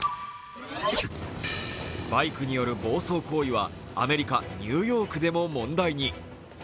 バイクによる暴走行為はアメリカ・ニューヨークでも問題に。